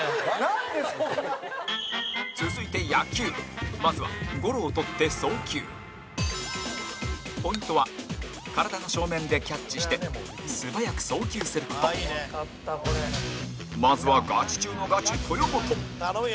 続いて、野球まずは、ゴロを捕って送球ポイントは体の正面でキャッチして素早く送球する事まずは、ガチ中のガチ、豊本山崎：頼むよ！